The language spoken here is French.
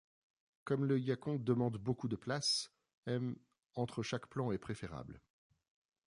Comme le yacon demande beaucoup de place, m entre chaque plant est préférable.